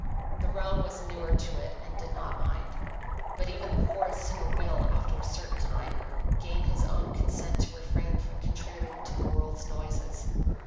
The roan was inured to it, and did not mind. But even the poorest singer will, after a certain time, gain his own consent to refrain from contributing to the world's noises.